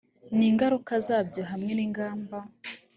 n ingaruka zabyo hamwe n ingamba